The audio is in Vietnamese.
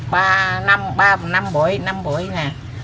ba năm bụi nè